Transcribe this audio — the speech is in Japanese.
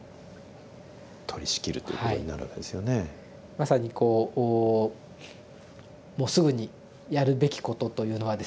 まさにこうもうすぐにやるべきことというのはですね